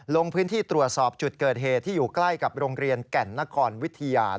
ลงพื้นที่ตรวจสอบจุดเกิดเหตุที่อยู่ใกล้กับโรงเรียนแก่นนครวิทยา